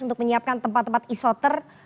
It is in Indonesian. untuk menyiapkan tempat tempat isoter